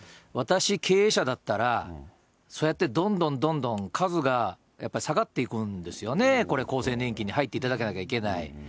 私、経営者だったら、そうやってどんどんどんどん数がやっぱり下がっていくんですよね、これ、厚生年金に入っていただかなきゃいけない。